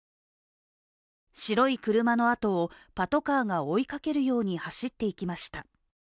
白い車の後をパトカーが追いかけるように走っていきました。